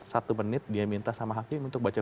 satu menit dia minta sama hakim untuk baca